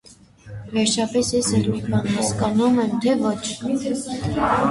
Վերջապես, ես էլ մի բան հասկանո՞ւմ եմ, թե ոչ: